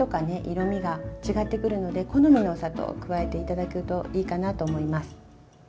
色みが違ってくるので好みのお砂糖を加えて頂くといいかなと思います。